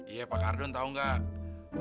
iya pak kadun tau nggak